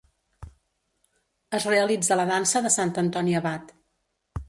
Es realitza la Dansa de Sant Antoni Abat.